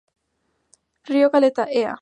Río Caleta, Ea.